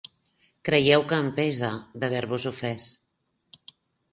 Creieu que em pesa d'haver-vos ofès.